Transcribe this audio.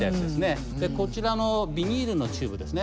こちらのビニールのチューブですね。